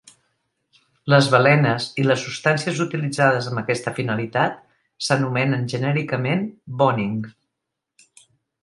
Les balenes, i les substàncies utilitzades amb aquesta finalitat, s'anomenen genèricament "boning".